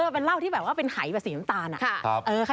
เป็นเหล้าที่แบบว่าเป็นหายแบบสีน้ำตาลอะ